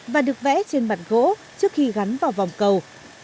và được vẽ trên bàn gỗ trước khi gắn vào vòng cầu